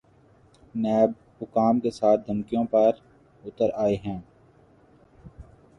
NAB حکام کے ساتھ دھمکیوں پہ اتر آئے ہیں۔